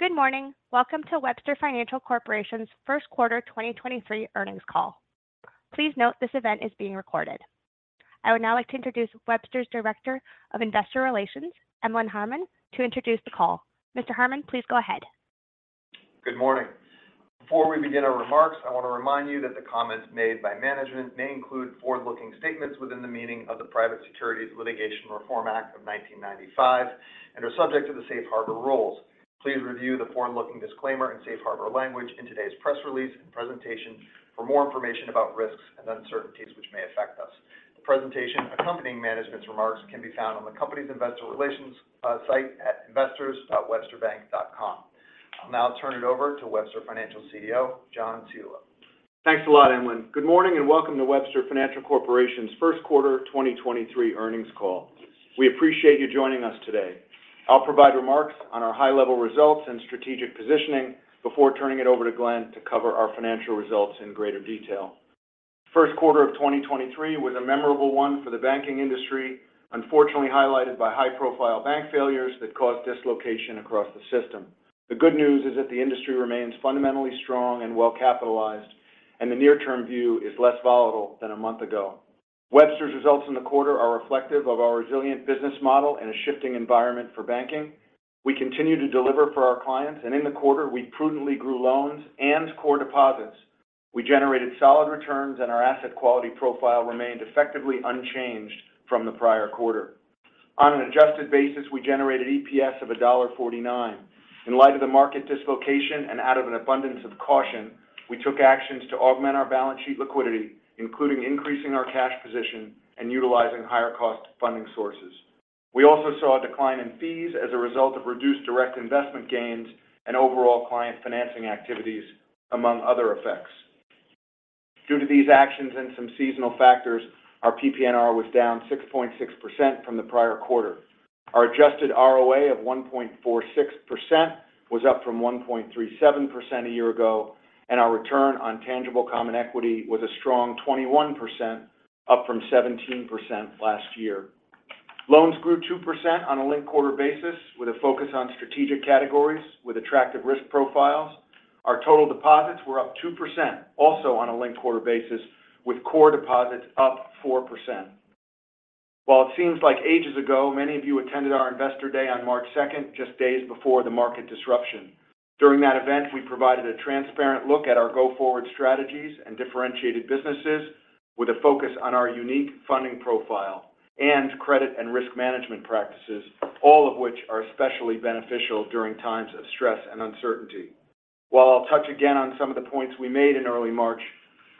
Good morning. Welcome to Webster Financial Corporation's first quarter 2023 earnings call. Please note this event is being recorded. I would now like to introduce Webster's Director of Investor Relations, Emlen Harmon, to introduce the call. Mr. Harmon, please go ahead. Good morning. Before we begin our remarks, I want to remind you that the comments made by management may include forward-looking statements within the meaning of the Private Securities Litigation Reform Act of 1995 and are subject to the safe harbor rules. Please review the forward-looking disclaimer and safe harbor language in today's press release and presentation for more information about risks and uncertainties which may affect us. The presentation accompanying management's remarks can be found on the company's investor relations site at investors.WebsterBank.com. I'll now turn it over to Webster Financial CEO, John Ciulla. Thanks a lot, Emlen. Good morning and welcome to Webster Financial Corporation's first quarter 2023 earnings call. We appreciate you joining us today. I'll provide remarks on our high-level results and strategic positioning before turning it over to Glenn to cover our financial results in greater detail. First quarter of 2023 was a memorable one for the banking industry. Unfortunately, highlighted by high-profile bank failures that caused dislocation across the system. The good news is that the industry remains fundamentally strong and well-capitalized, and the near term view is less volatile than a month ago. Webster's results in the quarter are reflective of our resilient business model in a shifting environment for banking. We continue to deliver for our clients, and in the quarter, we prudently grew loans and core deposits. We generated solid returns, and our asset quality profile remained effectively unchanged from the prior quarter. On an adjusted basis, we generated EPS of $1.49. In light of the market dislocation and out of an abundance of caution, we took actions to augment our balance sheet liquidity, including increasing our cash position and utilizing higher cost funding sources. We also saw a decline in fees as a result of reduced direct investment gains and overall client financing activities, among other effects. Due to these actions and some seasonal factors, our PPNR was down 6.6% from the prior quarter. Our adjusted ROA of 1.46% was up from 1.37% a year ago, and our return on tangible common equity was a strong 21%, up from 17% last year. Loans grew 2% on a linked-quarter basis with a focus on strategic categories with attractive risk profiles. Our total deposits were up 2%, also on a linked quarter basis, with core deposits up 4%. While it seems like ages ago, many of you attended our Investor Day on March second, just days before the market disruption. During that event, we provided a transparent look at our go-forward strategies and differentiated businesses with a focus on our unique funding profile and credit and risk management practices, all of which are especially beneficial during times of stress and uncertainty. While I'll touch again on some of the points we made in early March,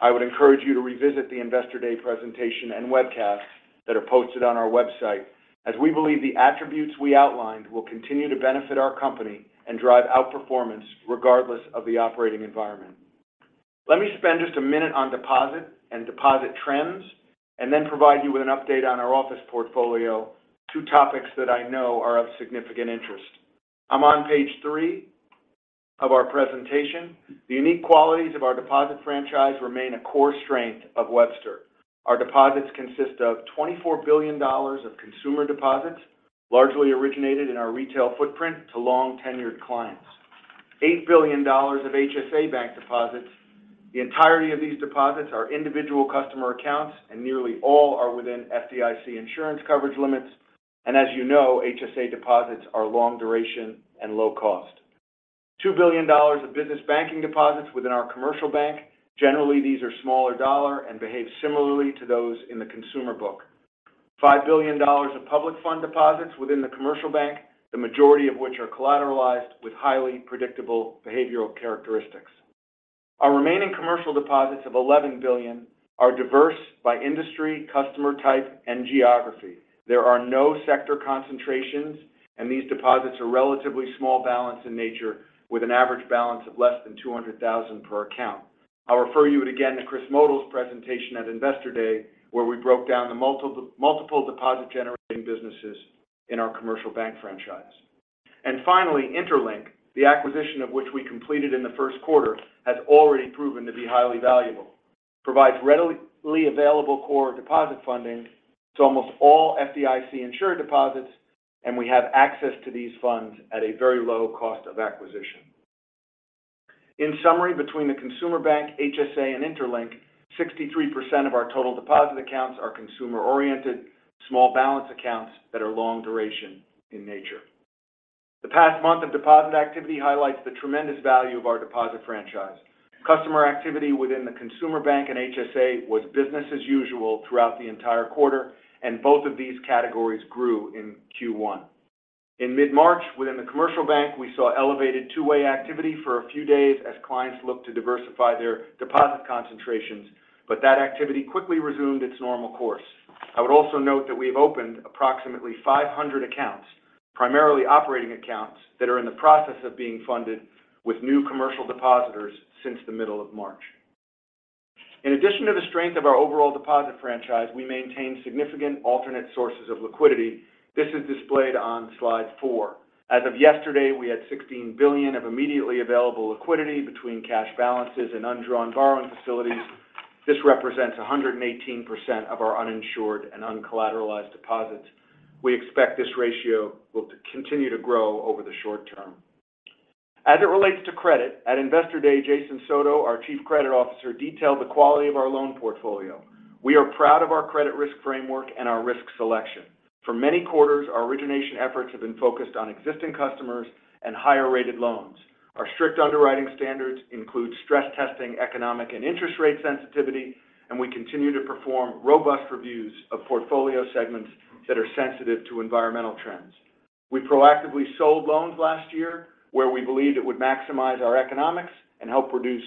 I would encourage you to revisit the Investor Day presentation and webcast that are posted on our website as we believe the attributes we outlined will continue to benefit our company and drive outperformance regardless of the operating environment. Let me spend just a minute on deposit and deposit trends, then provide you with an update on our office portfolio, two topics that I know are of significant interest. I'm on page 3 of our presentation. The unique qualities of our deposit franchise remain a core strength of Webster. Our deposits consist of $24 billion of consumer deposits, largely originated in our retail footprint to long-tenured clients. $8 billion of HSA Bank deposits. The entirety of these deposits are individual customer accounts, and nearly all are within FDIC insurance coverage limits. As you know, HSA deposits are long duration and low cost. $2 billion of business banking deposits within our commercial bank. Generally, these are smaller dollar and behave similarly to those in the consumer book. $5 billion of public fund deposits within the commercial bank, the majority of which are collateralized with highly predictable behavioral characteristics. Our remaining commercial deposits of $11 billion are diverse by industry, customer type, and geography. There are no sector concentrations, and these deposits are relatively small balance in nature with an average balance of less than $200,000 per account. I'll refer you again to Chris Motl's presentation at Investor Day, where we broke down the multiple deposit generating businesses in our commercial bank franchise. Finally, interLINK, the acquisition of which we completed in the first quarter, has already proven to be highly valuable. Provides readily available core deposit funding to almost all FDIC insured deposits, and we have access to these funds at a very low cost of acquisition. In summary, between the consumer bank, HSA, and interLINK, 63% of our total deposit accounts are consumer-oriented, small balance accounts that are long duration in nature. The past month of deposit activity highlights the tremendous value of our deposit franchise. Customer activity within the consumer bank and HSA was business as usual throughout the entire quarter. Both of these categories grew in Q1. In mid-March, within the commercial bank, we saw elevated two-way activity for a few days as clients looked to diversify their deposit concentrations. That activity quickly resumed its normal course. I would also note that we have opened approximately 500 accounts, primarily operating accounts that are in the process of being funded with new commercial depositors since the middle of March. In addition to the strength of our overall deposit franchise, we maintain significant alternate sources of liquidity. This is displayed on slide 4. As of yesterday, we had $16 billion of immediately available liquidity between cash balances and undrawn borrowing facilities. This represents 118% of our uninsured and uncollateralized deposits. We expect this ratio will continue to grow over the short term. As it relates to credit, at Investor Day, Jason Soto, our Chief Credit Officer, detailed the quality of our loan portfolio. We are proud of our credit risk framework and our risk selection. For many quarters, our origination efforts have been focused on existing customers and higher-rated loans. Our strict underwriting standards include stress testing economic and interest rate sensitivity, and we continue to perform robust reviews of portfolio segments that are sensitive to environmental trends. We proactively sold loans last year where we believed it would maximize our economics and help reduce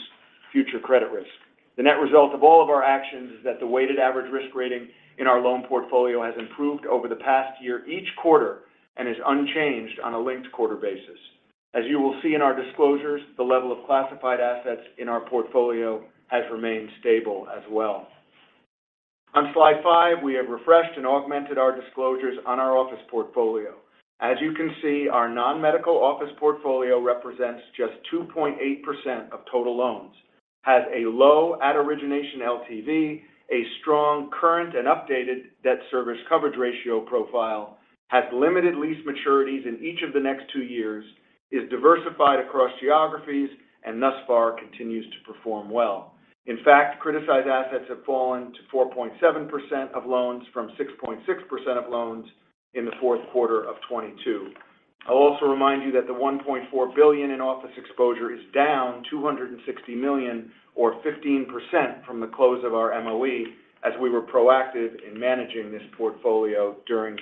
future credit risk. The net result of all of our actions is that the weighted average risk rating in our loan portfolio has improved over the past year each quarter and is unchanged on a linked quarter basis. As you will see in our disclosures, the level of classified assets in our portfolio has remained stable as well. On slide five, we have refreshed and augmented our disclosures on our office portfolio. As you can see, our non-medical office portfolio represents just 2.8% of total loans, has a low at origination LTV, a strong current and updated debt service coverage ratio profile, has limited lease maturities in each of the next two years, is diversified across geographies, and thus far continues to perform well. In fact, criticized assets have fallen to 4.7% of loans from 6.6% of loans in the fourth quarter of 2022. I'll also remind you that the $1.4 billion in office exposure is down $260 million or 15% from the close of our MOE as we were proactive in managing this portfolio during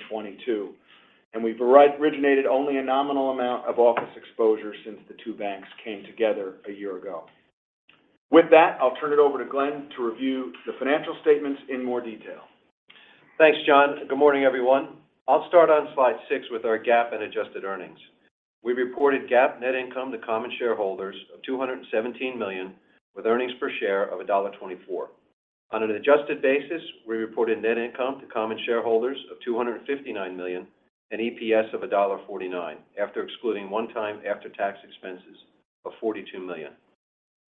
2022. We've originated only a nominal amount of office exposure since the two banks came together a year ago. With that, I'll turn it over to Glenn to review the financial statements in more detail. Thanks, John. Good morning, everyone. I'll start on slide six with our GAAP and adjusted earnings. We reported GAAP net income to common shareholders of $217 million with earnings per share of $1.24. On an adjusted basis, we reported net income to common shareholders of $259 million and EPS of $1.49 after excluding one-time after-tax expenses of $42 million.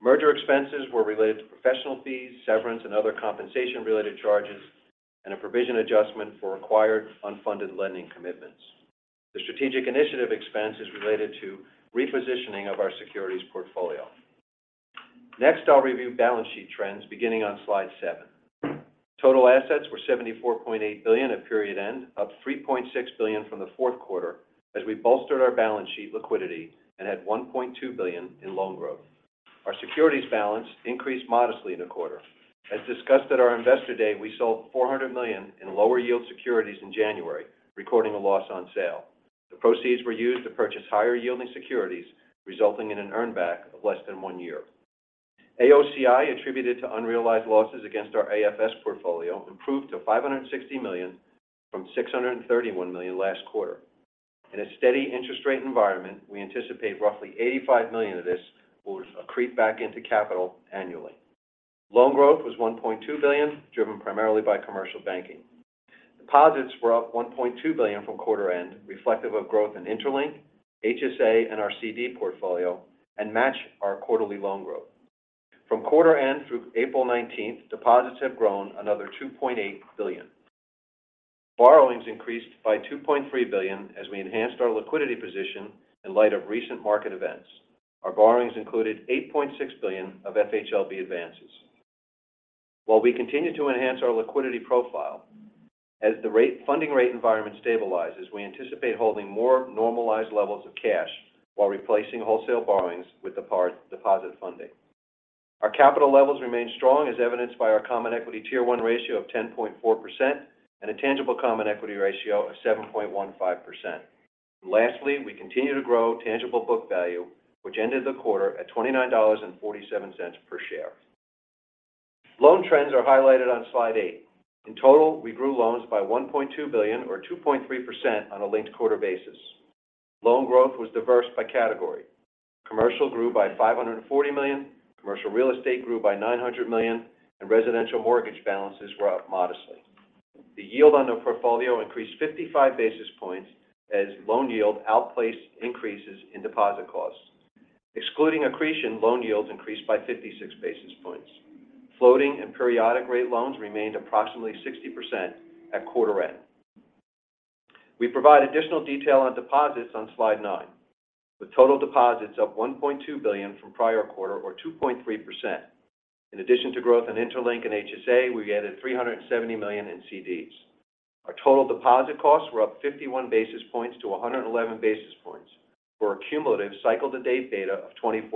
Merger expenses were related to professional fees, severance, and other compensation-related charges and a provision adjustment for acquired unfunded lending commitments. The strategic initiative expense is related to repositioning of our securities portfolio. I'll review balance sheet trends beginning on slide 7. Total assets were $74.8 billion at period end, up $3.6 billion from the fourth quarter as we bolstered our balance sheet liquidity and had $1.2 billion in loan growth. Our securities balance increased modestly in the quarter. As discussed at our Investor Day, we sold $400 million in lower yield securities in January, recording a loss on sale. The proceeds were used to purchase higher-yielding securities, resulting in an earn back of less than one year. AOCI attributed to unrealized losses against our AFS portfolio improved to $560 million from $631 million last quarter. In a steady interest rate environment, we anticipate roughly $85 million of this will accrete back into capital annually. Loan growth was $1.2 billion, driven primarily by commercial banking. Deposits were up $1.2 billion from quarter end, reflective of growth in interLINK, HSA, and our CD portfolio, and match our quarterly loan growth. From quarter end through April 19th, deposits have grown another $2.8 billion. Borrowings increased by $2.3 billion as we enhanced our liquidity position in light of recent market events. Our borrowings included $8.6 billion of FHLB advances. While we continue to enhance our liquidity profile, as the funding rate environment stabilizes, we anticipate holding more normalized levels of cash while replacing wholesale borrowings with deposit funding. Our capital levels remain strong as evidenced by our CET1 ratio of 10.4% and a TCE ratio of 7.15%. Lastly, we continue to grow tangible book value, which ended the quarter at $29.47 per share. Loan trends are highlighted on slide 8. In total, we grew loans by $1.2 billion or 2.3% on a linked quarter basis. Loan growth was diverse by category. Commercial grew by $540 million, commercial real estate grew by $900 million. Residential mortgage balances were up modestly. The yield on the portfolio increased 55 basis points as loan yield outpaced increases in deposit costs. Excluding accretion, loan yields increased by 56 basis points. Floating and periodic rate loans remained approximately 60% at quarter end. We provide additional detail on deposits on slide 9, with total deposits up $1.2 billion from prior quarter or 2.3%. In addition to growth in interLINK and HSA, we added $370 million in CDs. Our total deposit costs were up 51 basis points to 111 basis points for a cumulative cycle-to-date beta of 24%.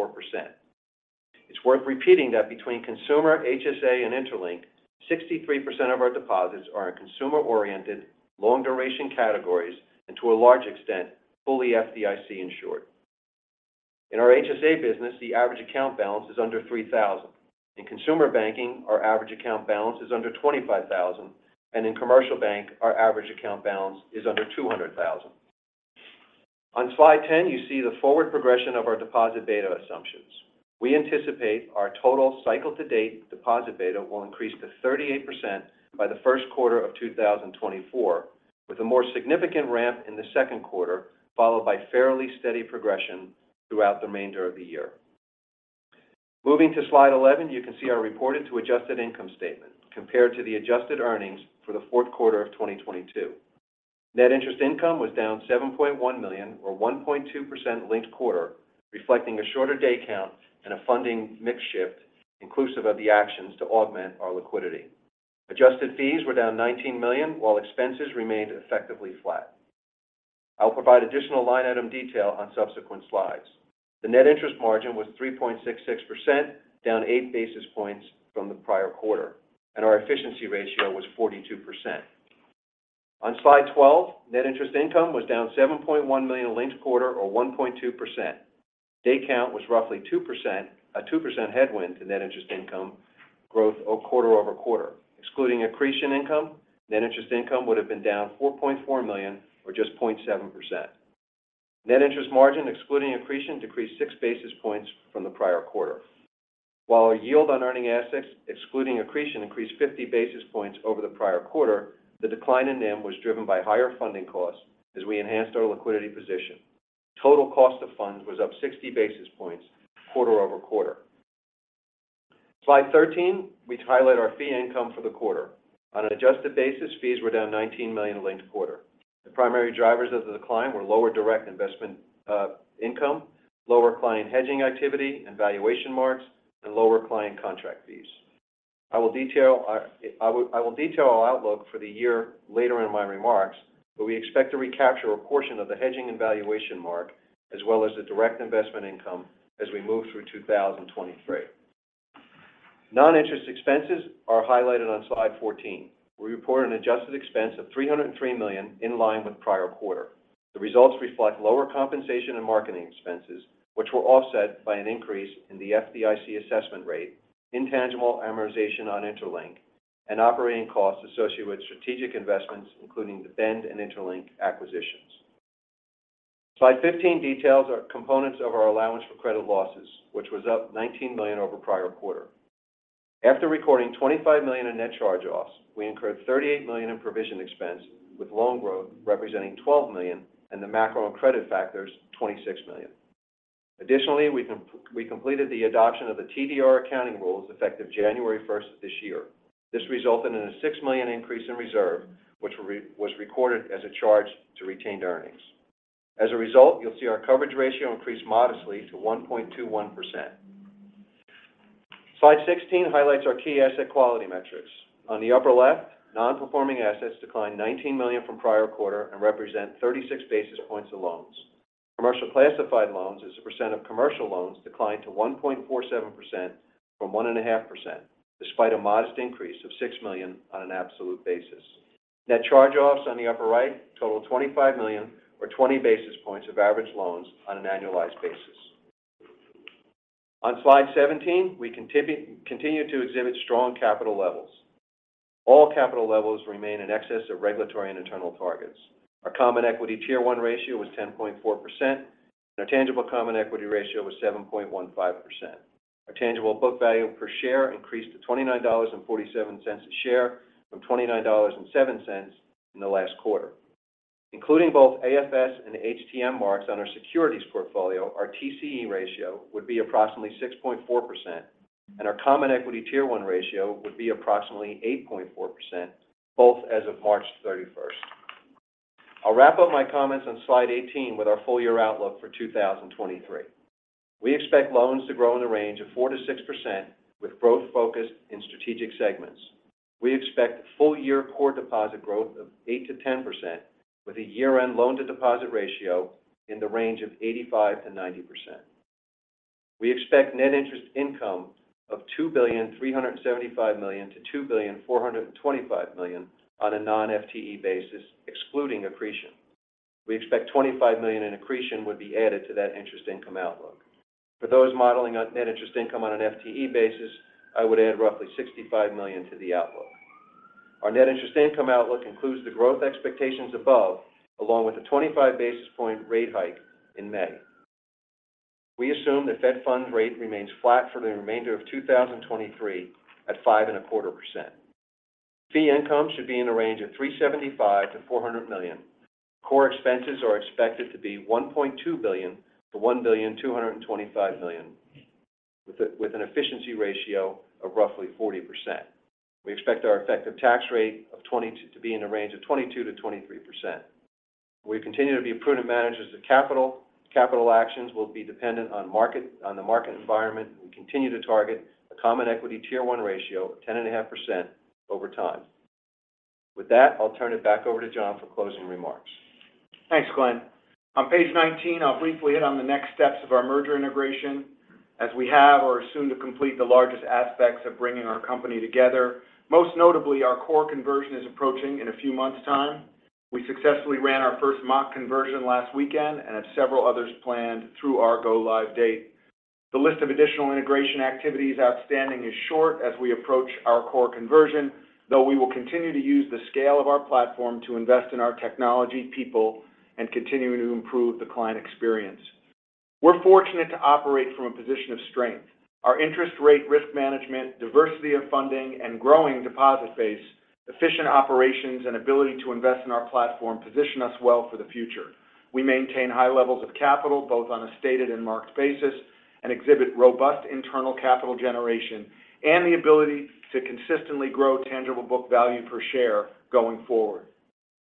It's worth repeating that between Consumer, HSA, and interLINK, 63% of our deposits are in consumer-oriented, long-duration categories and to a large extent, fully FDIC insured. In our HSA business, the average account balance is under $3,000. In consumer banking, our average account balance is under $25,000. In commercial bank, our average account balance is under $200,000. On slide 10, you see the forward progression of our deposit beta assumptions. We anticipate our total cycle-to-date deposit beta will increase to 38% by the first quarter of 2024, with a more significant ramp in the second quarter, followed by fairly steady progression throughout the remainder of the year. Moving to slide 11, you can see our reported to adjusted income statement compared to the adjusted earnings for the fourth quarter of 2022. Net interest income was down $7.1 million or 1.2% linked-quarter, reflecting a shorter day count and a funding mix shift inclusive of the actions to augment our liquidity. Adjusted fees were down $19 million while expenses remained effectively flat. I'll provide additional line item detail on subsequent slides. The net interest margin was 3.66%, down 8 basis points from the prior quarter. Our efficiency ratio was 42%. On Slide 12, net interest income was down $7.1 million linked-quarter or 1.2%. Day count was roughly a 2% headwind to net interest income growth quarter-over-quarter. Excluding accretion income, net interest income would have been down $4.4 million or just 0.7%. Net interest margin excluding accretion decreased 6 basis points from the prior quarter. While our yield on earning assets excluding accretion increased 50 basis points over the prior quarter, the decline in NIM was driven by higher funding costs as we enhanced our liquidity position. Total cost of funds was up 60 basis points quarter-over-quarter. Slide 13, we highlight our fee income for the quarter. On an adjusted basis, fees were down $19 million linked quarter. The primary drivers of the decline were lower direct investment income, lower client hedging activity and valuation marks, and lower client contract fees. I will detail our outlook for the year later in my remarks, but we expect to recapture a portion of the hedging and valuation mark as well as the direct investment income as we move through 2023. Non-interest expenses are highlighted on slide 14. We report an adjusted expense of $303 million in line with prior quarter. The results reflect lower compensation and marketing expenses, which were offset by an increase in the FDIC assessment rate, intangible amortization on interLINK, and operating costs associated with strategic investments including the Bend and interLINK acquisitions. Slide 15 details our components of our allowance for credit losses, which was up $19 million over prior quarter. After recording $25 million in net charge-offs, we incurred $38 million in provision expense, with loan growth representing $12 million and the macro and credit factors $26 million. Additionally, we completed the adoption of the TDR accounting rules effective January 1st of this year. This resulted in a $6 million increase in reserve, which was recorded as a charge to retained earnings. As a result, you'll see our coverage ratio increase modestly to 1.21%. Slide 16 highlights our key asset quality metrics. On the upper left, non-performing assets declined $19 million from prior quarter and represent 36 basis points of loans. Commercial classified loans as a percent of commercial loans declined to 1.47% from 1.5%, despite a modest increase of $6 million on an absolute basis. Net charge-offs on the upper right totaled $25 million or 20 basis points of average loans on an annualized basis. On Slide 17, we continue to exhibit strong capital levels. All capital levels remain in excess of regulatory and internal targets. Our common equity tier one ratio was 10.4%, and our tangible common equity ratio was 7.15%. Our tangible book value per share increased to $29.47 a share from $29.07 in the last quarter. Including both AFS and HTM marks on our securities portfolio, our TCE ratio would be approximately 6.4%, and our common equity tier one ratio would be approximately 8.4%, both as of March 31st. I'll wrap up my comments on slide 18 with our full year outlook for 2023. We expect loans to grow in the range of 4%-6% with growth focused in strategic segments. We expect full year core deposit growth of 8%-10% with a year-end loan to deposit ratio in the range of 85%-90%. We expect net interest income of $2.375 billion-$2.425 billion on a non-FTE basis excluding accretion. We expect $25 million in accretion would be added to that interest income outlook. For those modeling on net interest income on an FTE basis, I would add roughly $65 million to the outlook. Our net interest income outlook includes the growth expectations above along with a 25 basis point rate hike in May. We assume the Fed funds rate remains flat for the remainder of 2023 at 5.25%. Fee income should be in a range of $375 million-$400 million. Core expenses are expected to be $1.2 billion-$1.225 billion with an efficiency ratio of roughly 40%. We expect our effective tax rate to be in the range of 22%-23%. We continue to be prudent managers of capital. Capital actions will be dependent on the market environment. We continue to target a common equity tier one ratio of 10.5% over time. With that, I'll turn it back over to John for closing remarks. Thanks, Glenn. On page 19, I'll briefly hit on the next steps of our merger integration as we have or are soon to complete the largest aspects of bringing our company together. Most notably, our core conversion is approaching in a few months' time. We successfully ran our first mock conversion last weekend and have several others planned through our go-live date. The list of additional integration activities outstanding is short as we approach our core conversion, though we will continue to use the scale of our platform to invest in our technology, people, and continuing to improve the client experience. We're fortunate to operate from a position of strength. Our interest rate risk management, diversity of funding, and growing deposit base, efficient operations, and ability to invest in our platform position us well for the future. We maintain high levels of capital, both on a stated and marked basis, exhibit robust internal capital generation and the ability to consistently grow tangible book value per share going forward.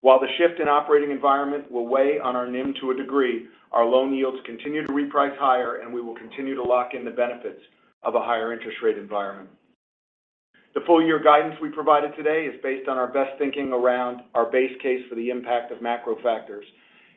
While the shift in operating environment will weigh on our NIM to a degree, our loan yields continue to reprice higher, we will continue to lock in the benefits of a higher interest rate environment. The full year guidance we provided today is based on our best thinking around our base case for the impact of macro factors.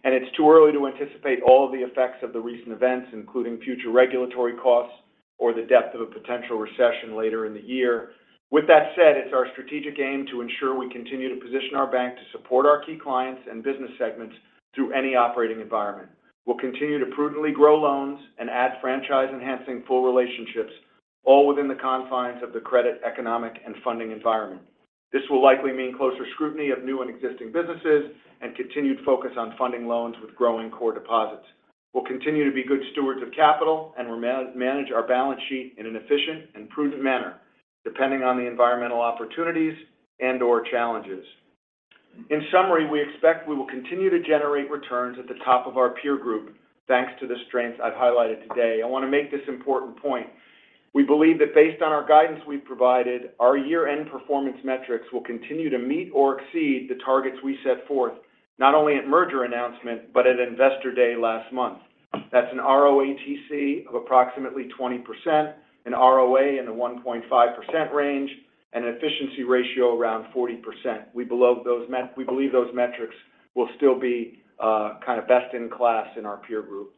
It's too early to anticipate all of the effects of the recent events, including future regulatory costs or the depth of a potential recession later in the year. With that said, it's our strategic aim to ensure we continue to position our bank to support our key clients and business segments through any operating environment. We'll continue to prudently grow loans and add franchise-enhancing full relationships, all within the confines of the credit, economic, and funding environment. This will likely mean closer scrutiny of new and existing businesses and continued focus on funding loans with growing core deposits. We'll continue to be good stewards of capital, and we'll manage our balance sheet in an efficient and prudent manner, depending on the environmental opportunities and/or challenges. In summary, we expect we will continue to generate returns at the top of our peer group, thanks to the strengths I've highlighted today. I want to make this important point. We believe that based on our guidance we've provided, our year-end performance metrics will continue to meet or exceed the targets we set forth, not only at merger announcement, but at Investor Day last month. That's an ROATC of approximately 20%, an ROA in the 1.5% range, and an efficiency ratio around 40%. We believe those metrics will still be kind of best in class in our peer group.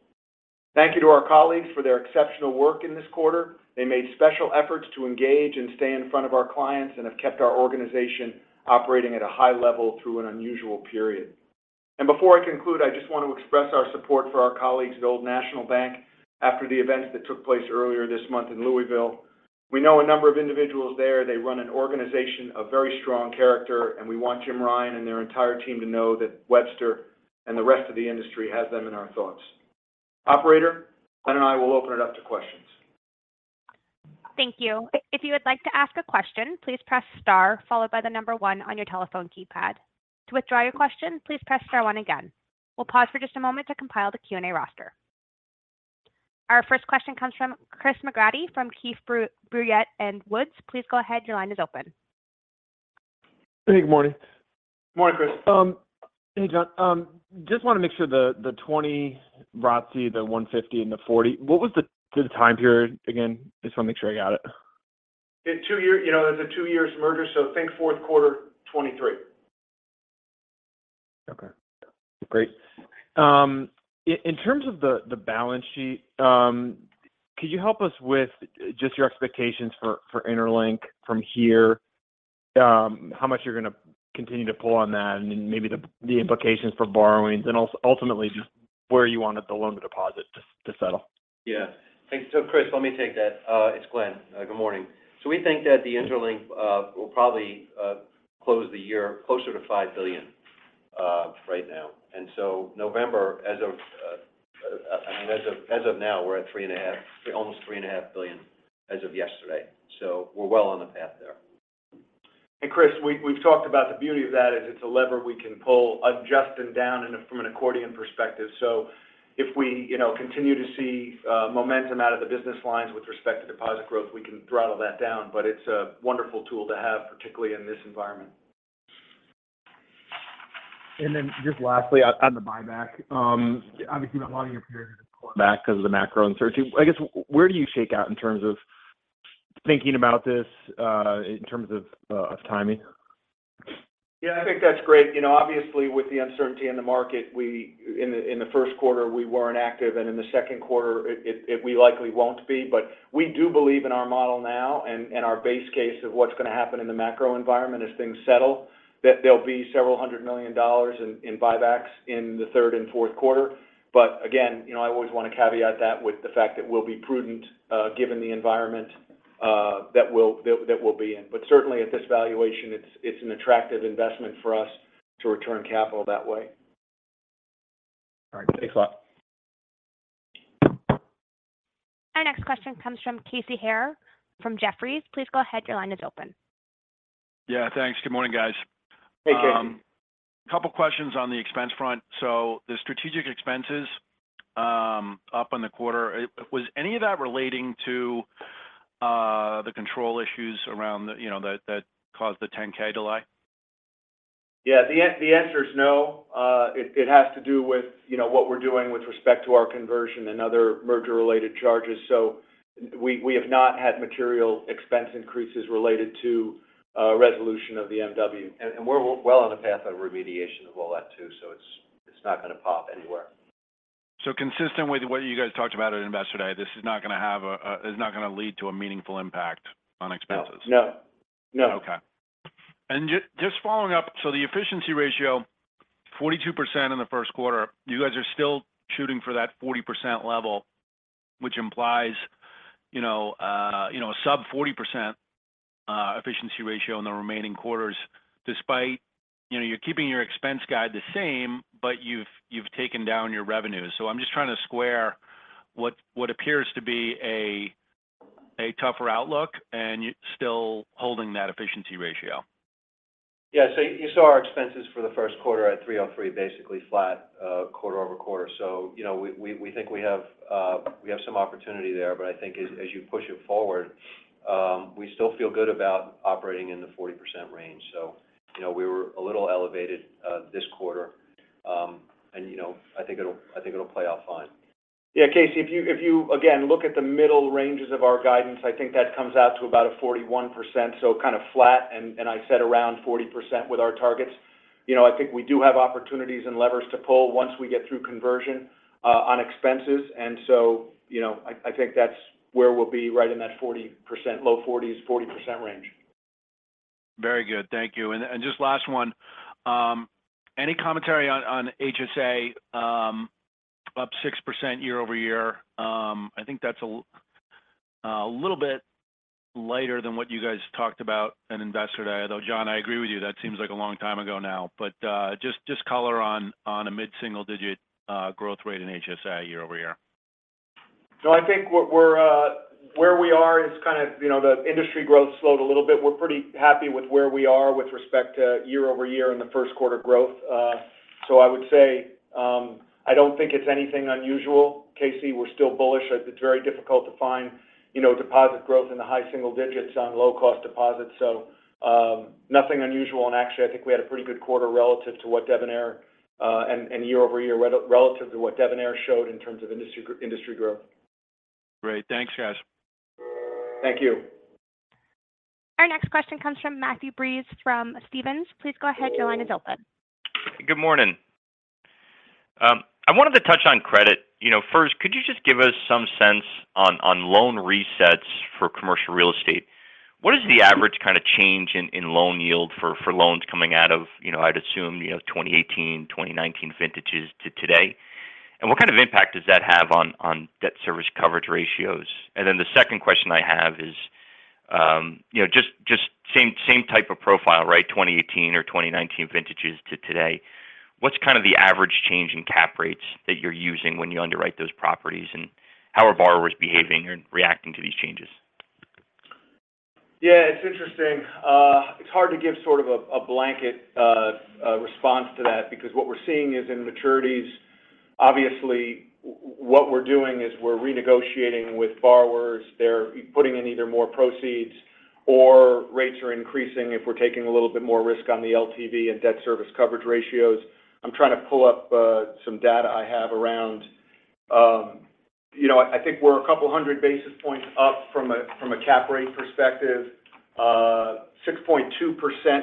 Thank you to our colleagues for their exceptional work in this quarter. They made special efforts to engage and stay in front of our clients and have kept our organization operating at a high level through an unusual period. Before I conclude, I just want to express our support for our colleagues at Old National Bank after the events that took place earlier this month in Louisville. We know a number of individuals there. They run an organization of very strong character. We want Jim Ryan and their entire team to know that Webster and the rest of the industry has them in our thoughts. Operator, Glenn and I will open it up to questions. Thank you. If you would like to ask a question, please press star followed by one on your telephone keypad. To withdraw your question, please press star one again. We'll pause for just a moment to compile the Q&A roster. Our first question comes from Chris McGratty from Keefe, Bruyette & Woods. Please go ahead. Your line is open. Good morning. Morning, Chris. Hey, John. Just want to make sure the 20 ROATC, the 150, and the 40, what was the time period again? Just want to make sure I got it. You know, it's a two-year merger, so think fourth quarter 2023. Okay, great. In terms of the balance sheet, could you help us with just your expectations for interLINK from here? How much you're going to continue to pull on that and maybe the implications for borrowings and ultimately just where you wanted the loan to deposit to settle? Yeah. Thanks. Chris, let me take that. It's Glenn. Good morning. We think that the interLINK will probably close the year closer to $5 billion right now. November as of now, we're at almost $3.5 billion as of yesterday. We're well on the path there. Chris, we've talked about the beauty of that is it's a lever we can pull, adjust and down from an accordion perspective. If we, you know, continue to see momentum out of the business lines with respect to deposit growth, we can throttle that down. It's a wonderful tool to have, particularly in this environment. Just lastly on the buyback. Obviously not a lot of your peers are just pulling back because of the macro uncertainty. I guess where do you shake out in terms of thinking about this, in terms of timing? Yeah, I think that's great. You know, obviously with the uncertainty in the market, in the first quarter, we weren't active. In the second quarter, it, we likely won't be. We do believe in our model now and our base case of what's going to happen in the macro environment as things settle, that there'll be $several hundred million in buybacks in the third and fourth quarter. Again, you know, I always want to caveat that with the fact that we'll be prudent given the environment that we'll be in. Certainly at this valuation, it's an attractive investment for us to return capital that way. All right. Thanks a lot. Our next question comes from Casey Haire from Jefferies. Please go ahead. Your line is open. Yeah, thanks. Good morning, guys. Hey, Casey. A couple questions on the expense front. The strategic expenses, up on the quarter, was any of that relating to the control issues around the, you know, that caused the 10-K delay? Yeah. The answer is no. It has to do with, you know, what we're doing with respect to our conversion and other merger-related charges. We have not had material expense increases related to resolution of the MW. We're well on the path of remediation of all that too. It's not going to pop anywhere. Consistent with what you guys talked about at Investor Day, this is not going to lead to a meaningful impact on expenses? No. No. Okay. Just following up. The efficiency ratio, 42% in the first quarter. You guys are still shooting for that 40% level, which implies, you know, a sub 40% efficiency ratio in the remaining quarters despite, you know, you're keeping your expense guide the same, but you've taken down your revenues. I'm just trying to square what appears to be a tougher outlook and still holding that efficiency ratio. Yeah. You saw our expenses for the first quarter at $303, basically flat, quarter-over-quarter. You know, we think we have some opportunity there. I think as you push it forward, we still feel good about operating in the 40% range. You know, we were a little elevated this quarter. You know, I think it'll, I think it'll play out fine. Yeah, Casey, if you again look at the middle ranges of our guidance, I think that comes out to about a 41%, so kind of flat. I said around 40% with our targets. You know, I think we do have opportunities and levers to pull once we get through conversion on expenses. You know, I think that's where we'll be right in that 40%, low forties, 40% range. Very good. Thank you. just last one. any commentary on HSA, up 6% year-over-year? I think that's a little bit lighter than what you guys talked about in Investor Day. Although John, I agree with you, that seems like a long time ago now. just color on a mid-single digit growth rate in HSA year-over-year. I think what we're where we are is kind of, you know, the industry growth slowed a little bit. We're pretty happy with where we are with respect to year-over-year in the first quarter growth. I would say, I don't think it's anything unusual. Casey, we're still bullish. It's very difficult to find, you know, deposit growth in the high single digits on low-cost deposits. Nothing unusual. Actually, I think we had a pretty good quarter relative to what Deb and Eric and year-over-year relative to what Deb and Eric showed in terms of industry growth. Great. Thanks, guys. Thank you. Our next question comes from Matthew Breese from Stephens. Please go ahead. Your line is open. Good morning. I wanted to touch on credit. You know, first, could you just give us some sense on loan resets for commercial real estate? What is the average kind of change in loan yield for loans coming out of, you know, I'd assume, you know, 2018, 2019 vintages to today? What kind of impact does that have on debt service coverage ratios? The second question I have is, you know, just same type of profile, right? 2018 or 2019 vintages to today. What's kind of the average change in cap rates that you're using when you underwrite those properties, and how are borrowers behaving or reacting to these changes? Yeah, it's interesting. It's hard to give sort of a blanket response to that because what we're seeing is in maturities, obviously what we're doing is we're renegotiating with borrowers. They're putting in either more proceeds or rates are increasing if we're taking a little bit more risk on the LTV and debt service coverage ratios. I'm trying to pull up some data I have around, you know, I think we're a couple hundred basis points up from a cap rate perspective. 6.2%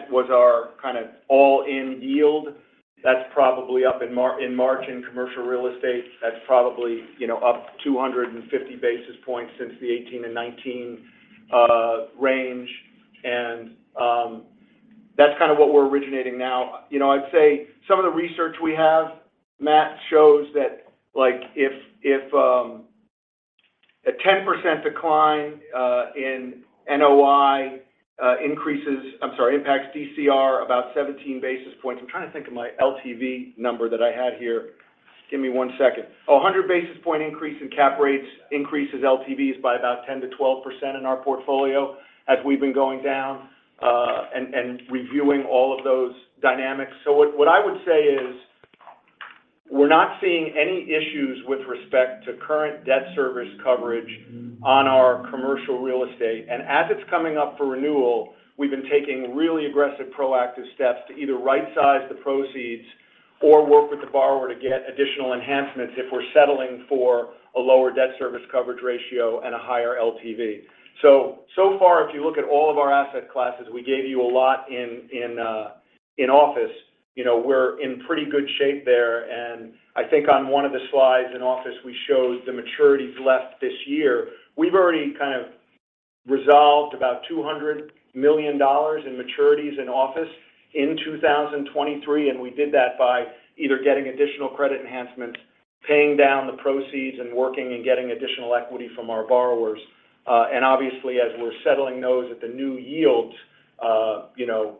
was our kind of all-in yield. That's probably up in margin commercial real estate. That's probably, you know, up 250 basis points since the 18 and 19 range. That's kind of what we're originating now. You know, I'd say some of the research we have, Matt, shows that like if, a 10% decline in NOI impacts DCR about 17 basis points. I'm trying to think of my LTV number that I had here. Give me one second. A 100 basis point increase in cap rates increases LTVs by about 10%-12% in our portfolio as we've been going down and reviewing all of those dynamics. What I would say is we're not seeing any issues with respect to current debt service coverage on our commercial real estate. As it's coming up for renewal, we've been taking really aggressive proactive steps to either right size the proceeds or work with the borrower to get additional enhancements if we're settling for a lower debt service coverage ratio and a higher LTV. So far, if you look at all of our asset classes, we gave you a lot in office. You know, we're in pretty good shape there. I think on one of the slides in office, we showed the maturities left this year. We've already kind of resolved about $200 million in maturities in office in 2023, and we did that by either getting additional credit enhancements, paying down the proceeds, and working and getting additional equity from our borrowers. Obviously, as we're settling those at the new yields, you know,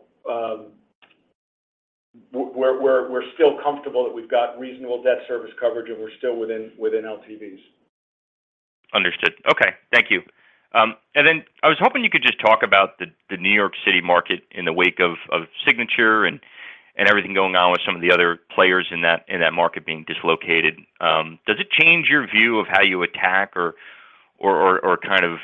we're still comfortable that we've got reasonable debt service coverage and we're still within LTVs. Understood. Okay. Thank you. I was hoping you could just talk about the New York City market in the wake of Signature and everything going on with some of the other players in that market being dislocated. Does it change your view of how you attack or kind of,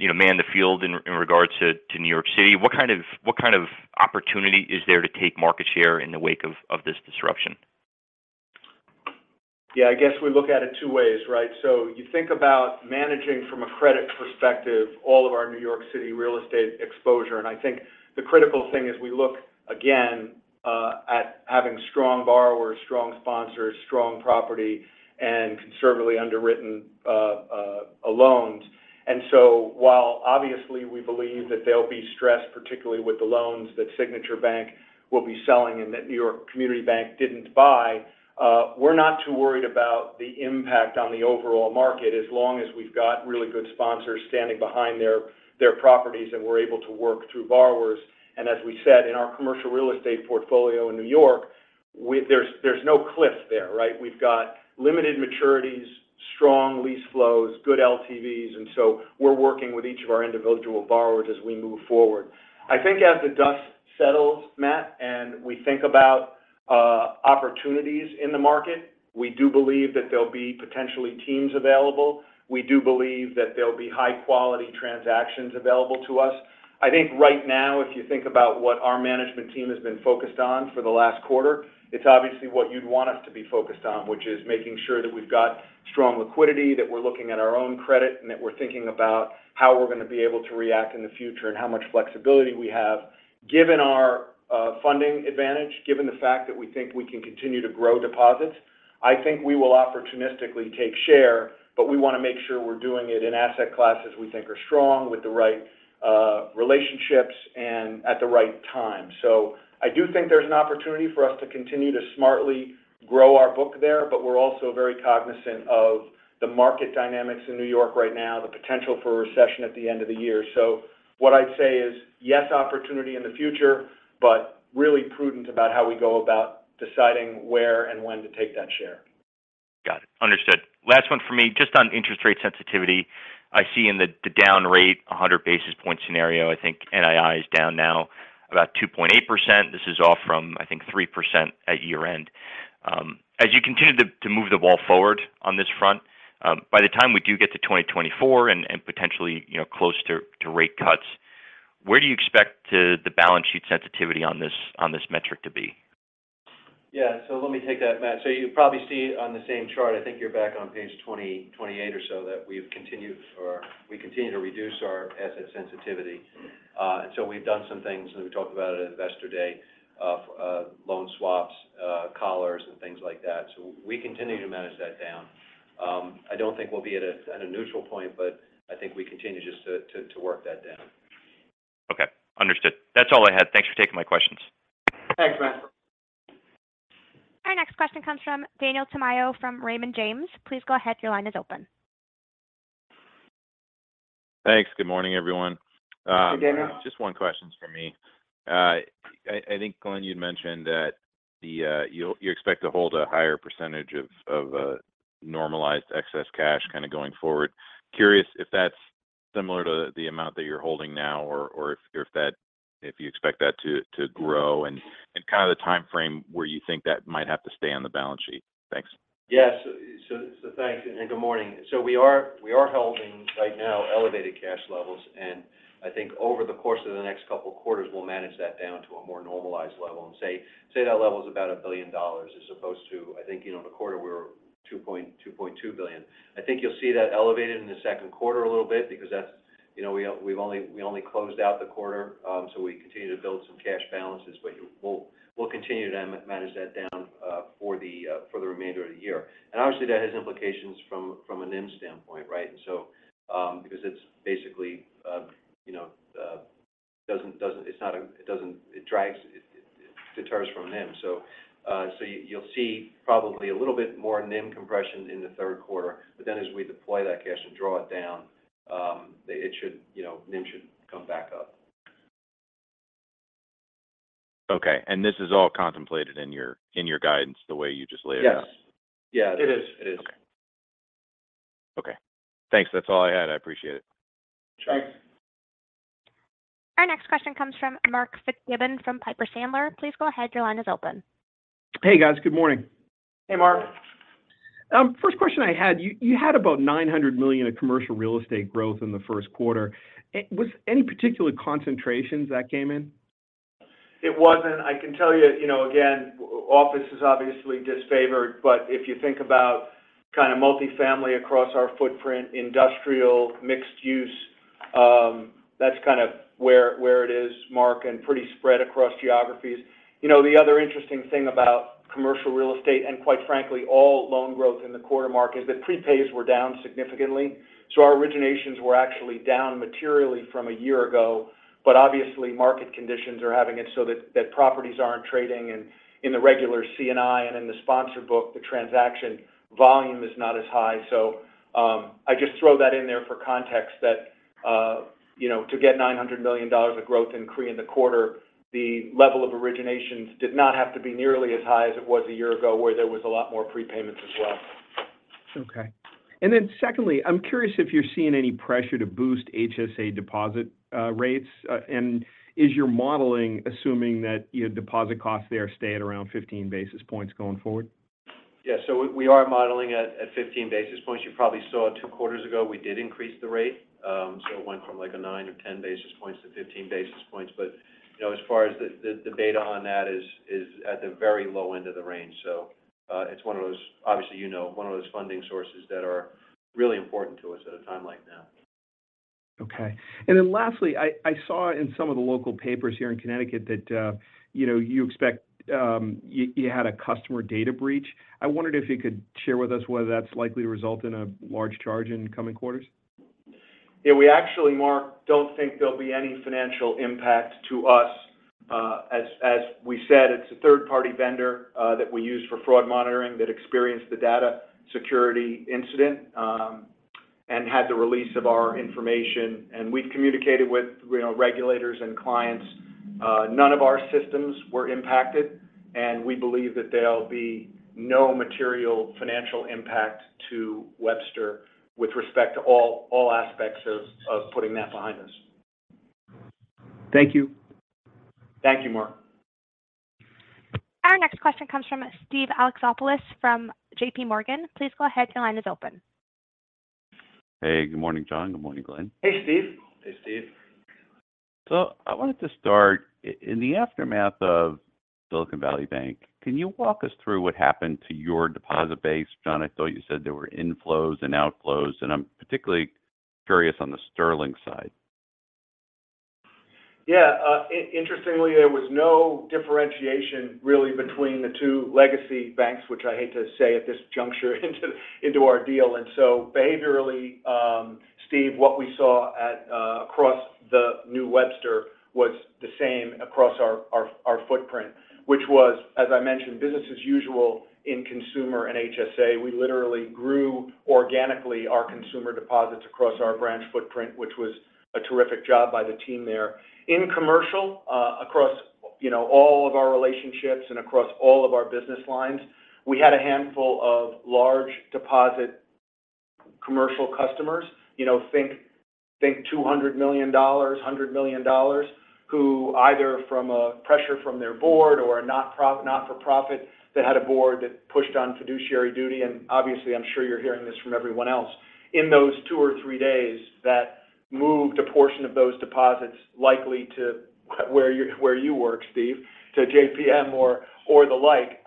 you know, man the field in regards to New York City? What kind of opportunity is there to take market share in the wake of this disruption? Yeah, I guess we look at it two ways, right? You think about managing from a credit perspective all of our New York City real estate exposure. I think the critical thing is we look again at having strong borrowers, strong sponsors, strong property, and conservatively underwritten loans. While obviously we believe that they'll be stressed, particularly with the loans that Signature Bank will be selling and that New York Community Bank didn't buy, we're not too worried about the impact on the overall market as long as we've got really good sponsors standing behind their properties and we're able to work through borrowers. As we said, in our commercial real estate portfolio in New York, there's no cliff there, right? We've got limited maturities, strong lease flows, good LTVs. We're working with each of our individual borrowers as we move forward. I think as the dust settles, Matt, and we think about opportunities in the market, we do believe that there'll be potentially teams available. We do believe that there'll be high-quality transactions available to us. I think right now, if you think about what our management team has been focused on for the last quarter, it's obviously what you'd want us to be focused on, which is making sure that we've got strong liquidity, that we're looking at our own credit, and that we're thinking about how we're going to be able to react in the future and how much flexibility we have. Given our funding advantage, given the fact that we think we can continue to grow deposits, I think we will opportunistically take share, but we want to make sure we're doing it in asset classes we think are strong with the right relationships and at the right time. I do think there's an opportunity for us to continue to smartly grow our book there, but we're also very cognizant of the market dynamics in New York right now, the potential for a recession at the end of the year. What I'd say is, yes, opportunity in the future, but really prudent about how we go about deciding where and when to take that share. Got it. Understood. Last one for me, just on interest rate sensitivity. I see in the down rate 100 basis point scenario, I think NII is down now about 2.8%. This is off from, I think, 3% at year-end. As you continue to move the ball forward on this front, by the time we do get to 2024 and, potentially, you know, close to rate cuts, where do you expect the balance sheet sensitivity on this, on this metric to be? Yeah. Let me take that, Matt. You probably see on the same chart, I think you're back on page 28 or so that we continue to reduce our asset sensitivity. We've done some things, and we talked about it at Investor Day of loan swaps, collars, and things like that. We continue to manage that down. I don't think we'll be at a neutral point, but I think we continue just to work that down. Okay. Understood. That's all I had. Thanks for taking my questions. Thanks, Matt. Our next question comes from Daniel Tamayo from Raymond James. Please go ahead. Your line is open. Thanks. Good morning, everyone. Good morning. Just one question for me. I think Glenn, you'd mentioned that the, you expect to hold a higher percentage of, normalized excess cash kind of going forward. Curious if that's similar to the amount that you're holding now or if you expect that to grow and kind of the timeframe where you think that might have to stay on the balance sheet. Thanks. Yes. Thanks and good morning. We are holding right now elevated cash levels, and I think over the course of the next couple of quarters, we'll manage that down to a more normalized level and say that level is about $1 billion as opposed to, I think, you know, in the quarter we were $2.2 billion. I think you'll see that elevated in the second quarter a little bit because that's, you know, we only closed out the quarter, we continue to build some cash balances. We'll continue to manage that down for the remainder of the year. Obviously that has implications from a NIM standpoint, right? Because it's basically, you know, it deters from NIM. So you'll see probably a little bit more NIM compression in the third quarter. As we deploy that cash and draw it down, it should, you know, NIM should come back up. Okay. This is all contemplated in your, in your guidance the way you just laid it out? Yes. Yeah. It is. It is. Okay. Thanks. That's all I had. I appreciate it. Sure. Our next question comes from Mark Fitzgibbon from Piper Sandler. Please go ahead. Your line is open. Hey, guys. Good morning. Hey, Mark. First question I had, you had about $900 million of commercial real estate growth in the first quarter. Was any particular concentrations that came in? It wasn't. I can tell you know, again, office is obviously disfavored. If you think about kind of multifamily across our footprint, industrial, mixed use, that's kind of where it is, Mark, and pretty spread across geographies. You know, the other interesting thing about commercial real estate and quite frankly, all loan growth in the quarter, Mark, is that prepays were down significantly. Our originations were actually down materially from a year ago. Obviously, market conditions are having it so that properties aren't trading. In the regular C&I and in the sponsor book, the transaction volume is not as high. I just throw that in there for context that, you know, to get $900 million of growth in CRE in the quarter, the level of originations did not have to be nearly as high as it was a year ago, where there was a lot more prepayments as well. Okay. Secondly, I'm curious if you're seeing any pressure to boost HSA deposit, rates? Is your modeling assuming that your deposit costs there stay at around 15 basis points going forward? Yeah. We are modeling at 15 basis points. You probably saw two quarters ago, we did increase the rate. It went from like 9 or 10 basis points to 15 basis points. You know, as far as the beta on that is at the very low end of the range. It's one of those, obviously, you know, one of those funding sources that are really important to us at a time like now. Okay. Lastly, I saw in some of the local papers here in Connecticut that you know, you expect you had a customer data breach. I wondered if you could share with us whether that's likely to result in a large charge in coming quarters? Yeah, we actually, Mark, don't think there'll be any financial impact to us. As we said, it's a third-party vendor that we use for fraud monitoring that experienced the data security incident. Had the release of our information. We've communicated with, you know, regulators and clients. None of our systems were impacted, and we believe that there'll be no material financial impact to Webster with respect to all aspects of putting that behind us. Thank you. Thank you, Mark. Our next question comes from Steven Alexopoulos from JPMorgan. Please go ahead, your line is open. Hey, good morning, John. Good morning, Glenn. Hey, Steve. Hey, Steve. I wanted to start in the aftermath of Silicon Valley Bank, can you walk us through what happened to your deposit base? John, I thought you said there were inflows and outflows, and I'm particularly curious on the Sterling side. Yeah. Interestingly, there was no differentiation really between the two legacy banks, which I hate to say at this juncture into our deal. Behaviorally, Steve, what we saw at across the new Webster was the same across our footprint. Which was, as I mentioned, business as usual in consumer and HSA. We literally grew organically our consumer deposits across our branch footprint, which was a terrific job by the team there. In commercial, across, you know, all of our relationships and across all of our business lines, we had a handful of large deposit commercial customers. You know, think $200 million, $100 million, who either from a pressure from their board or a not-for-profit that had a board that pushed on fiduciary duty. Obviously, I'm sure you're hearing this from everyone else. In those two or three days that moved a portion of those deposits likely to where you work, Steve, to JPM or the like.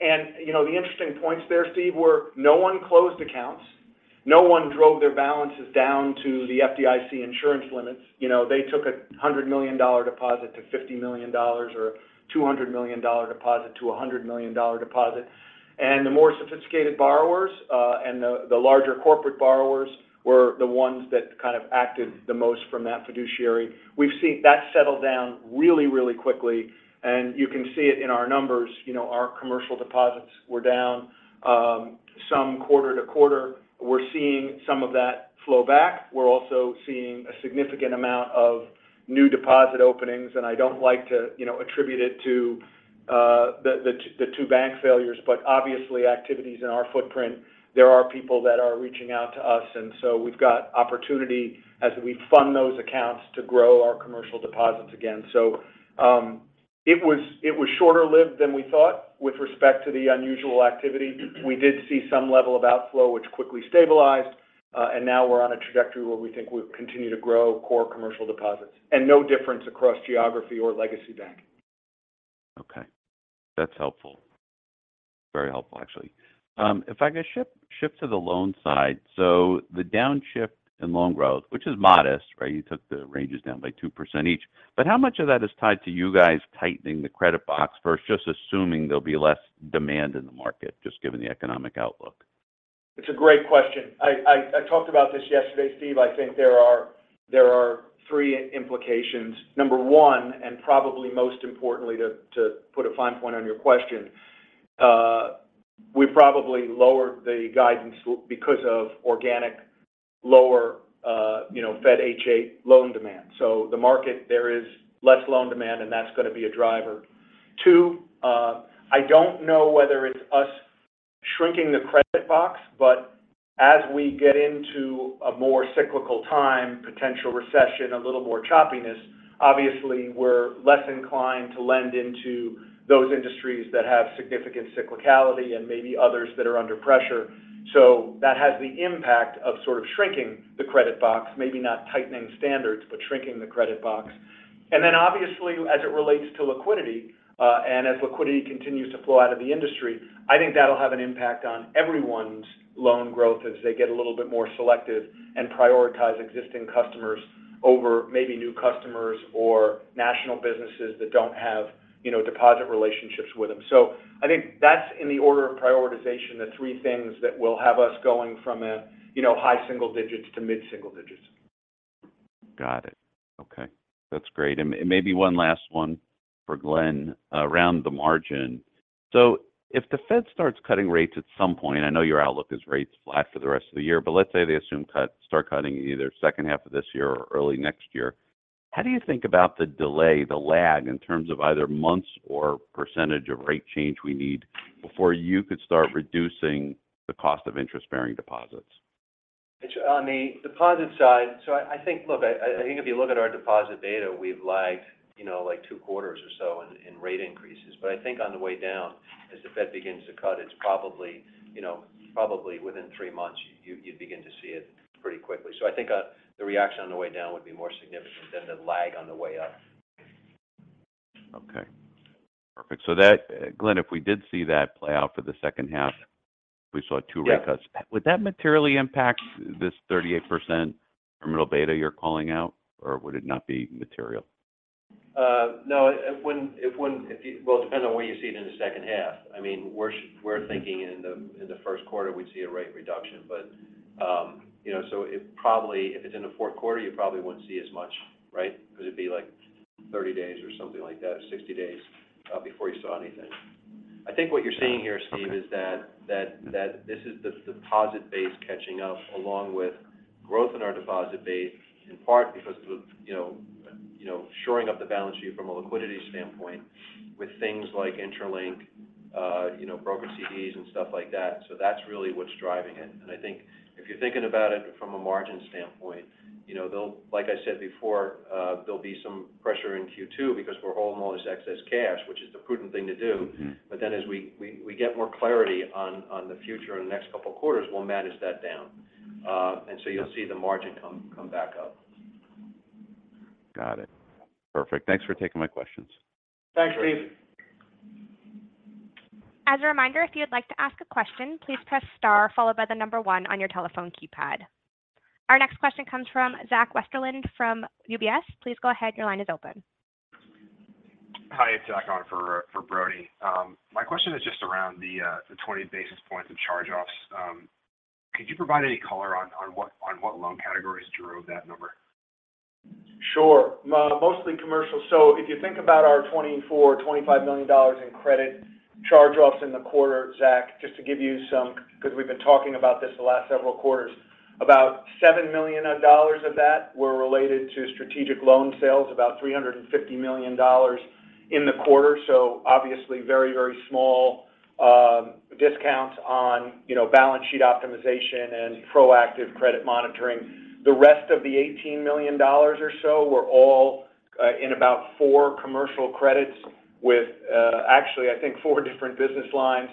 You know, the interesting points there, Steve, were no one closed accounts. No one drove their balances down to the FDIC insurance limits. You know, they took a $100 million deposit to $50 million or a $200 million deposit to a $100 million deposit. The more sophisticated borrowers, and the larger corporate borrowers were the ones that kind of acted the most from that fiduciary. We've seen that settle down really, really quickly, and you can see it in our numbers. You know, our commercial deposits were down, some quarter to quarter. We're seeing some of that flow back. We're also seeing a significant amount of new deposit openings. I don't like to, you know, attribute it to the two bank failures. Obviously, activities in our footprint, there are people that are reaching out to us. We've got opportunity as we fund those accounts to grow our commercial deposits again. It was shorter lived than we thought with respect to the unusual activity. We did see some level of outflow, which quickly stabilized. Now we're on a trajectory where we think we'll continue to grow core commercial deposits and no difference across geography or legacy banking. Okay. That's helpful. Very helpful, actually. If I could shift to the loan side. The downshift in loan growth, which is modest, right? You took the ranges down by 2% each. How much of that is tied to you guys tightening the credit box versus just assuming there'll be less demand in the market, just given the economic outlook? It's a great question. I talked about this yesterday, Steve. I think there are three implications. Number one, and probably most importantly to put a fine point on your question, we probably lowered the guidance because of organic lower, you know, FHA loan demand. The market there is less loan demand, and that's gonna be a driver. Two. I don't know whether it's us shrinking the credit box, but as we get into a more cyclical time, potential recession, a little more choppiness, obviously we're less inclined to lend into those industries that have significant cyclicality and maybe others that are under pressure. That has the impact of sort of shrinking the credit box. Maybe not tightening standards, but shrinking the credit box. Obviously, as it relates to liquidity, and as liquidity continues to flow out of the industry, I think that'll have an impact on everyone's loan growth as they get a little bit more selective and prioritize existing customers over maybe new customers or national businesses that don't have, you know, deposit relationships with them. I think that's in the order of prioritization, the three things that will have us going from a, you know, high single digits to mid single digits. Got it. Okay. That's great. Maybe one last one for Glenn around the margin. If the Fed starts cutting rates at some point, I know your outlook is rates flat for the rest of the year, but let's say they start cutting either second half of this year or early next year. How do you think about the delay, the lag in terms of either months or % of rate change we need before you could start reducing the cost of interest-bearing deposits? It's on the deposit side. Look, I think if you look at our deposit data, we've lagged, you know, like two quarters or so in rate increases. I think on the way down, as the Fed begins to cut, it's probably, you know, probably within three months you'd begin to see it pretty quickly. I think the reaction on the way down would be more significant than the lag on the way up. Okay. Perfect. Glenn, if we did see that play out for the second half, we saw two rate cuts. Yeah. Would that materially impact this 38% terminal beta you're calling out, or would it not be material? No. Well, it depends on where you see it in the second half. I mean, we're thinking in the, in the first quarter we'd see a rate reduction. You know, so it probably if it's in the fourth quarter, you probably wouldn't see as much, right? Because it'd be like 30 days or something like that, 60 days, before you saw anything. I think what you're seeing here, Steve, is that this is the deposit base catching up along with growth in our deposit base, in part because of, you know, you know, shoring up the balance sheet from a liquidity standpoint with things like interLINK, you know, brokered CDs and stuff like that. That's really what's driving it. I think if you're thinking about it from a margin standpoint, you know, like I said before, there'll be some pressure in Q2 because we're holding all this excess cash, which is the prudent thing to do. Mm-hmm. As we get more clarity on the future in the next couple of quarters, we'll manage that down. You'll see the margin come back up. Got it. Perfect. Thanks for taking my questions. Thanks, Steve. As a reminder, if you'd like to ask a question, please press star followed by the number one on your telephone keypad. Our next question comes from Zach Westerlind from UBS. Please go ahead. Your line is open. Hi, it's Zach on for Brodie. My question is just around the 20 basis points of charge-offs. Could you provide any color on what loan categories drove that number? Sure. Mostly commercial. If you think about our $24 million-$25 million in credit charge-offs in the quarter, Zach, just to give you some because we've been talking about this the last several quarters. About $7 million of dollars of that were related to strategic loan sales, about $350 million in the quarter. Obviously very, very small discounts on, you know, balance sheet optimization and proactive credit monitoring. The rest of the $18 million or so were all in about four commercial credits with, actually, I think four different business lines,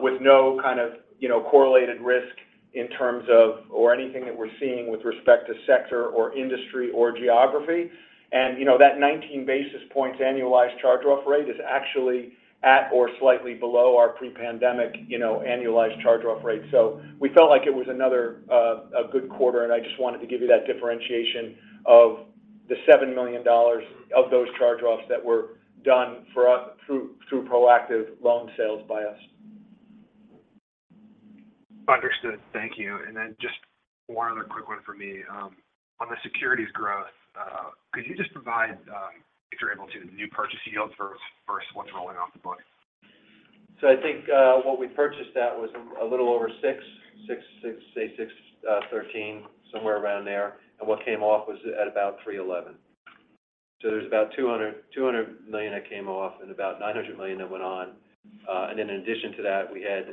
with no kind of, you know, correlated risk in terms of, or anything that we're seeing with respect to sector or industry or geography. You know, that 19 basis points annualized charge-off rate is actually at or slightly below our pre-pandemic, you know, annualized charge-off rate. We felt like it was another, a good quarter, and I just wanted to give you that differentiation of the $7 million of those charge-offs that were done for us through proactive loan sales by us. Understood. Thank you. Just one other quick one for me. On the securities growth, could you just provide, if you're able to, the new purchase yield for what's rolling off the book? I think what we purchased that was a little over 6, 13, somewhere around there. What came off was at about 311. There's about $200 million that came off and about $900 million that went on. In addition to that, we had,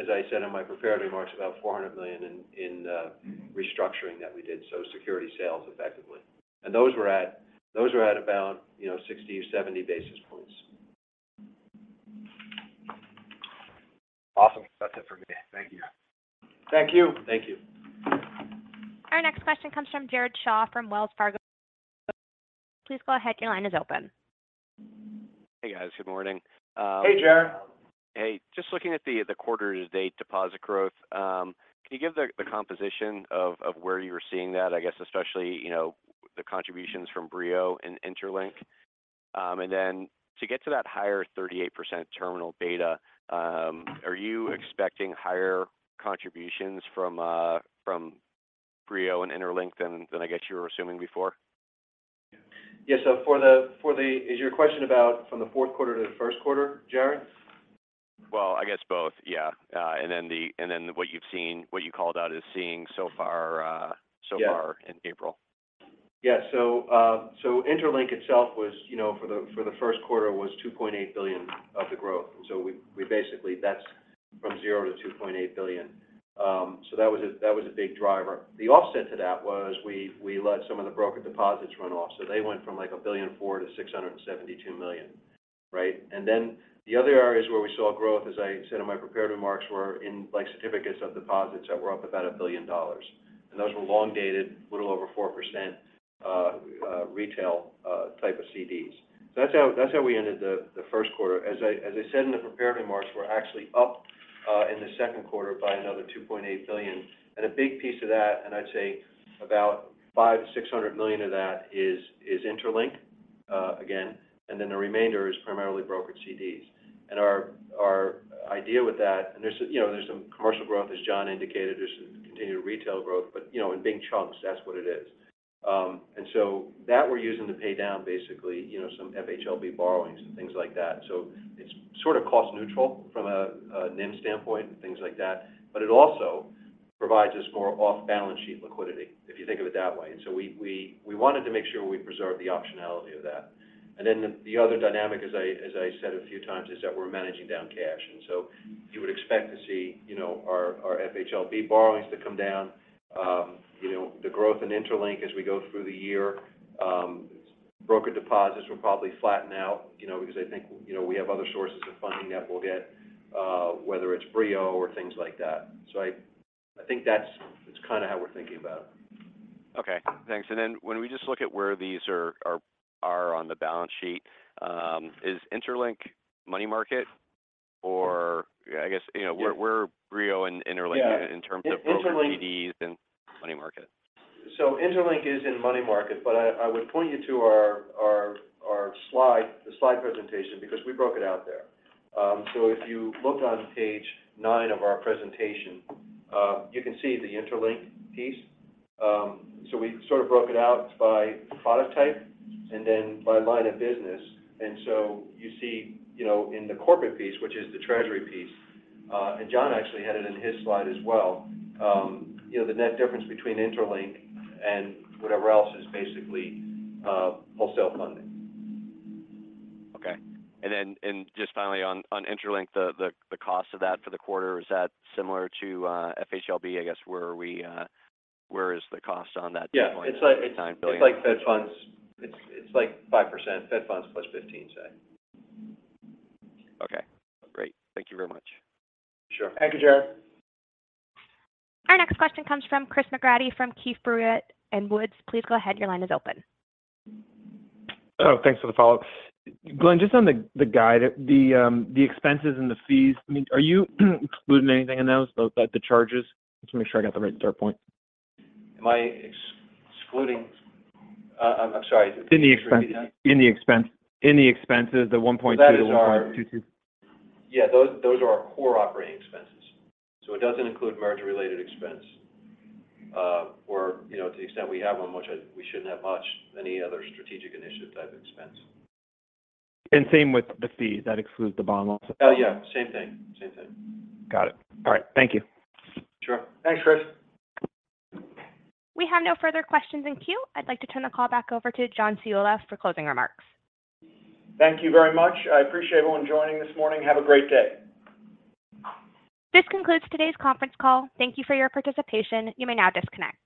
as I said in my prepared remarks, about $400 million in restructuring that we did, so security sales effectively. Those were at about, you know, 60 to 70 basis points. Awesome. That's it for me. Thank you. Thank you. Thank you. Our next question comes from Jared Shaw from Wells Fargo. Please go ahead. Your line is open. Hey, guys. Good morning. Hey, Jared. Hey. Just looking at the quarter to date deposit growth, can you give the composition of where you were seeing that? I guess especially, you know, the contributions from BrioDirect and interLINK. To get to that higher 38% terminal beta, are you expecting higher contributions from BrioDirect and interLINK than I guess you were assuming before? Yeah. Is your question about from the fourth quarter to the first quarter, Jared? Well, I guess both, yeah. What you've seen, what you called out as seeing so far, so far in April. Yeah. InterLINK itself was, you know, for the first quarter was $2.8 billion of the growth. We basically that's from 0 to $2.8 billion. That was a big driver. The offset to that was we let some of the broker deposits run off. They went from like $1.4 billion to $672 million, right? The other areas where we saw growth, as I said in my prepared remarks, were in like certificates of deposits that were up about $1 billion. Those were long-dated, little over 4% retail type of CDs. That's how we ended the first quarter. As I said in the prepared remarks, we're actually up in the second quarter by another $2.8 billion. A big piece of that, and I'd say about $500 million-$600 million of that is interLINK again. The remainder is primarily brokered CDs. Our idea with that, and there's, you know, there's some commercial growth, as John indicated. There's some continued retail growth. You know, in big chunks, that's what it is. That we're using to pay down basically, you know, some FHLB borrowings and things like that. It's sort of cost neutral from a NIM standpoint and things like that. It also provides us more off balance sheet liquidity, if you think of it that way. We wanted to make sure we preserve the optionality of that. The other dynamic as I said a few times is that we're managing down cash. You would expect to see, you know, our FHLB borrowings to come down. You know, the growth in interLINK as we go through the year. Broker deposits will probably flatten out, you know, because I think, you know, we have other sources of funding that we'll get, whether it's BrioDirect or things like that. I think that's, it's kind of how we're thinking about it. Okay. Thanks. When we just look at where these are on the balance sheet, is interLINK money market or I guess, you know, where BrioDirect and interLINK in terms of broker CDs and money market? InterLINK is in money market, but I would point you to our slide, the slide presentation because we broke it out there. If you look on page nine of our presentation, you can see the interLINK piece. We sort of broke it out by product type and then by line of business. You see, you know, in the corporate piece, which is the treasury piece, and John actually had it in his slide as well, you know, the net difference between interLINK and whatever else is basically wholesale funding. Okay. Then, just finally on interLINK, the cost of that for the quarter, is that similar to FHLB? I guess, where are we, where is the cost on that at this point in time? Yeah. It's like Fed Funds. It's like 5%. Fed Funds plus 15, say. Okay. Great. Thank you very much. Sure. Thank you, Jared. Our next question comes from Chris McGratty from Keefe, Bruyette & Woods. Please go ahead. Your line is open. Oh, thanks for the follow-up. Glenn, just on the guide, the expenses and the fees, I mean, are you excluding anything in those charges? Just want to make sure I got the right start point. I'm sorry. Could you repeat that? In the expense. In the expenses, the $1.2, $2. That is our yeah, those are our core operating expenses. It doesn't include merger related expense. You know, to the extent we have one, which we shouldn't have much, any other strategic initiative type expense. Same with the fees. That excludes the bond also? Oh, yeah. Same thing. Got it. All right. Thank you. Sure. Thanks, Chris. We have no further questions in queue. I'd like to turn the call back over to John Ciulla for closing remarks. Thank you very much. I appreciate everyone joining this morning. Have a great day. This concludes today's Conference Call. Thank you for your participation. You may now disconnect.